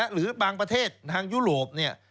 หรือบางประเทศในทางยุโรป